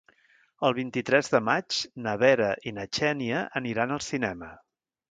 El vint-i-tres de maig na Vera i na Xènia aniran al cinema.